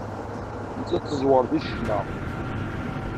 Nettat teẓwer deg ccna.